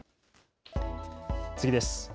次です。